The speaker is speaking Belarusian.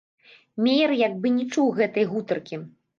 Меер як бы не чуў гэтай гутаркі.